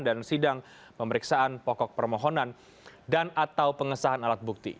dan sidang pemeriksaan pokok permohonan dan atau pengesahan alat bukti